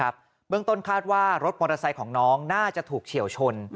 เบื้องต้นคาดว่ารถมอเตอร์ไซค์ของน้องน่าจะถูกเฉียวชน